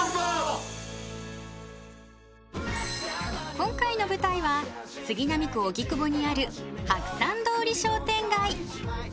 今回の舞台は杉並区荻窪にある白山通り商店街。